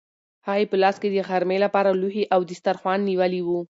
هغې په لاس کې د غرمې لپاره لوښي او دسترخوان نیولي وو.